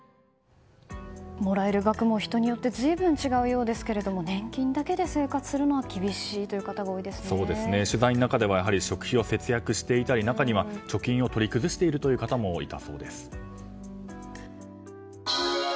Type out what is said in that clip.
もらえる額も人によって随分違うようですが年金だけで生活するのは厳しいという方が取材の中では食費を節約していたり中には、貯金を取り崩しているという方もいたそうです。